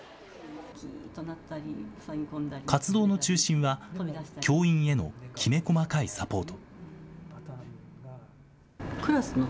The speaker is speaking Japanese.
活動の中心は、教員へのきめ細かいサポート。